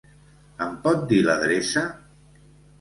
Em pot dir l'adreça?